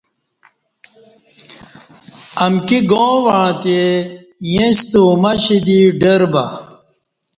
امکی گاں وعݩتے ایݩستہ اومشی دی ڈر بہ